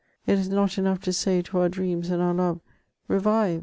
It is not enough to say to our dreams and our love :'^ Revive